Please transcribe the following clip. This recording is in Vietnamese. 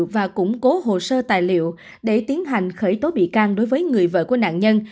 và củng cố hồ sơ tài liệu để tiến hành khởi tố bị can đối với người vợ của nạn nhân